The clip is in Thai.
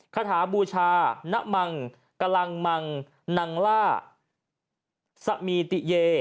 คาถาบูชาณมังกำลังมังนังล่าสมีติเย